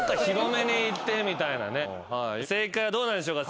正解はどうなんでしょうか。